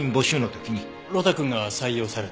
呂太くんが採用された？